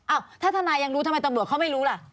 ถ้าทนายยังรู้ทำไมตำรวจเขาไม่รู้ล่ะ